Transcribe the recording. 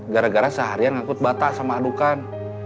gara gara seharian ngikut batas sama adukan